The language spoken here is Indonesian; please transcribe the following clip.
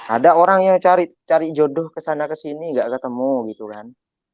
ada orang yang cari jodoh kesana kesini gak ketemu gitu kan